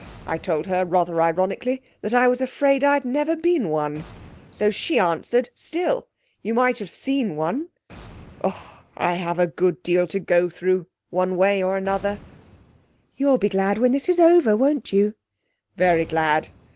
I told her, rather ironically, that I was afraid I'd never been one. So she answered, "Still, you might have seen one." Oh, I have a good deal to go through, one way and another!' 'You'll be glad when it's over, won't you?' 'Very glad.